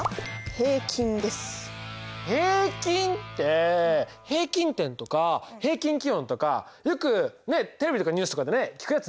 平均って平均点とか平均気温とかよくねテレビとかニュースとかでね聞くやつだよね。